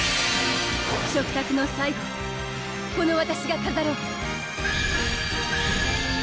食卓の最後をこのわたしが飾ろう！